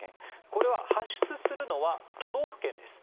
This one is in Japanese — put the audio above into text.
これは発出するのは都道府県です。